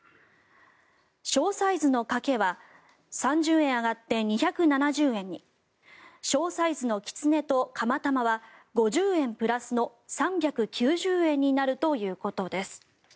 小サイズの「かけ」は３０円上がって２７０円に小サイズの「きつね」と「かま玉」は５０円プラスの３９０円になるということです。